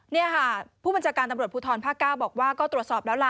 นี่ค่ะผู้บัญชาการตำรวจภูทรภาค๙บอกว่าก็ตรวจสอบแล้วล่ะ